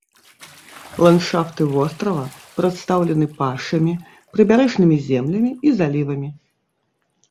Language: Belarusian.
Ландшафты вострава прадстаўлены пашамі, прыбярэжнымі землямі і залівамі.